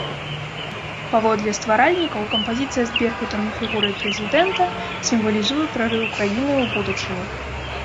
Паводле стваральнікаў, кампазіцыя з беркутам і фігурай прэзідэнта сімвалізуе прарыў краіны ў будучыню.